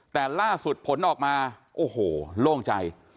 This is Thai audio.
แต่ล่าสุดผลออกมาโอ้โหโล่งใจ